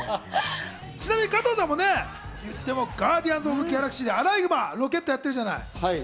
ちなみに加藤さんもね、『ガーディアンズ・オブ・ギャラクシー』でアライグマ、ロケット役をやったじゃない。